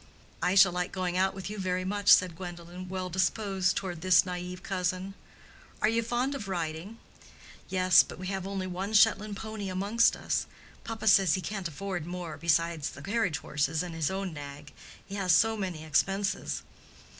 "I shall like going out with you very much," said Gwendolen, well disposed toward this naïve cousin. "Are you fond of riding?" "Yes, but we have only one Shetland pony amongst us. Papa says he can't afford more, besides the carriage horses and his own nag; he has so many expenses."